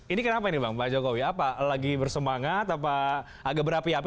ini kenapa ini bang pak jokowi apa lagi bersemangat apa agak berapi api